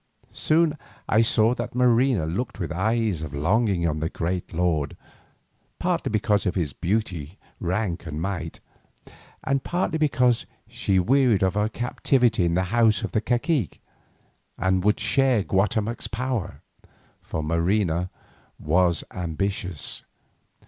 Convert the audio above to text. Soon I saw that Marina looked with eyes of longing on the great lord, partly because of his beauty, rank and might, and partly because she wearied of her captivity in the house of the cacique, and would share Guatemoc's power, for Marina was ambitious.